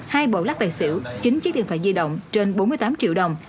hai bộ lắc tài xỉu chín chiếc điện thoại di động trên bốn mươi tám triệu đồng